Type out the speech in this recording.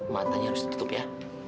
matanya harus ditutup ya